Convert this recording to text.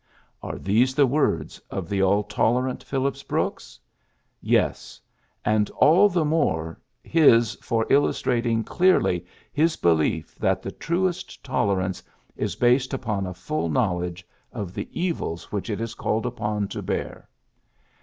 '' Are these the words of the all tolerant Phillips Brooks ? Yes, and all the more his for illustrating clearly his belief that the truest tolerance is based upon a full knowledge of the evils which 32 PHILLIPS BEOOKS it is called upon to bear.